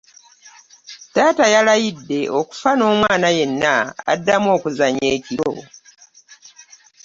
Taata yalayidde okufa n'omwana yenna addamu okuzannya ekiro.